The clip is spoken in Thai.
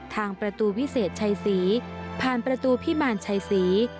ทางประตูวิเศษชัยศรีผ่านประตูพิมารชัยศรี